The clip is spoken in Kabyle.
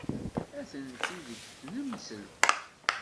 Atenti deg tnemselt.